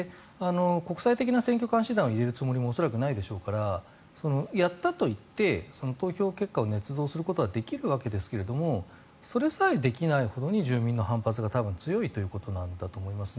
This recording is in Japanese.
国際的な選挙監視団を入れるつもりも恐らくないでしょうからやったといって投票結果をねつ造することはできるわけですがそれさえできないほどに住民の反発が強いということだと思います。